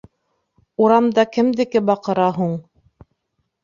Урамда кемдеке баҡыра һуң?